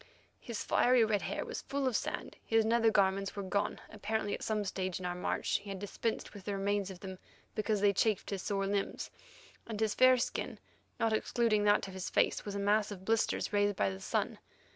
His fiery red hair was full of sand, his nether garments were gone, apparently at some stage in our march he had dispensed with the remains of them because they chafed his sore limbs, and his fair skin, not excluding that of his face, was a mass of blisters, raised by the sun.